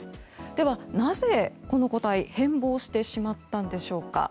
ではなぜこの個体変貌してしまったんでしょうか。